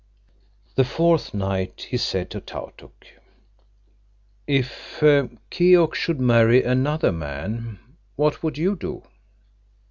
The fourth night he said to Tautuk: "If Keok should marry another man, what would you do?"